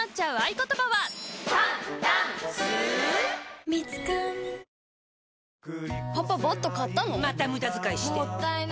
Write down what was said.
パパ、バット買ったの？